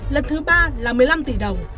lần thứ ba là một mươi năm tỷ đồng